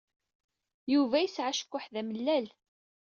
Yuba yesɛa acekkuḥ d amellal.